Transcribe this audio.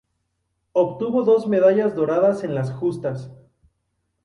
Obtuvo dos medallas doradas en las justas.